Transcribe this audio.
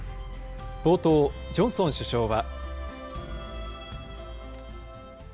冒頭、ジョンソン首相は。